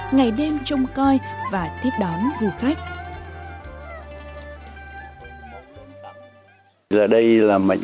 ngày đêm trông coi và tiếp đón du khách